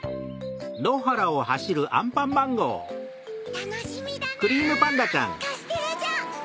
・たのしみだなカステラじょう。